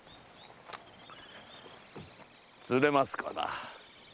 釣れますかな？